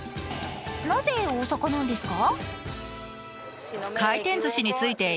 なぜ大阪なんですか？